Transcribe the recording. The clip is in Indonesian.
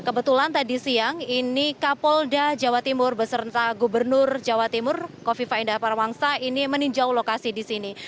kebetulan tadi siang ini kapolda jawa timur beserta gubernur jawa timur kofifa indah parawangsa ini meninjau lokasi di sini